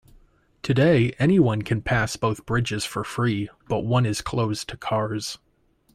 Today, anyone can pass both bridges for free, but one is closed to cars.